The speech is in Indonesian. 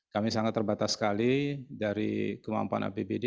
kami sangat terbatas sekali dari kemampuan apbd